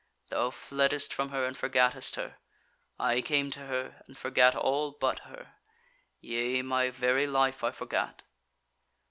Thou fleddest from her and forgattest her. I came to her and forgat all but her; yea, my very life I forgat."